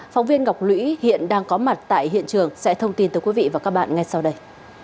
phóng viên ngọc lũy hiện đang có mặt tại hiện trường sẽ thông tin tới quý vị và các bạn ngay sau đây